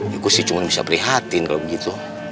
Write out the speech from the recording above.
ya gue sih cuma bisa prihatin kalau begitu